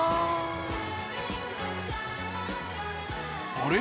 あれ？